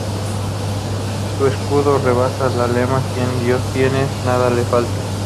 En su escudo rezaba el lema: "Quien a Dios tiene, nada le falta".